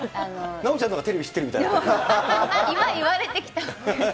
直ちゃんのほうがテレビ知っ言われてきた。